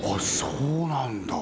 そうなんだ